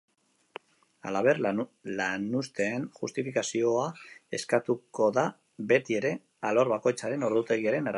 Halaber, lanuzteen justifikazioa eskatuko da beti ere, alor bakoitzaren ordutegiaren arabera.